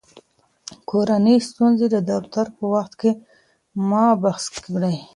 کورني ستونزې د دفتر په وخت کې مه بحث کړئ.